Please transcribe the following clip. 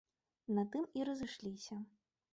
На тым і разышліся.